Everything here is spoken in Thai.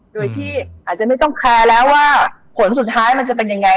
โดยที่อาจจะไม่ต้องแคร์แล้วว่าผลสุดท้ายมันจะเป็นยังไง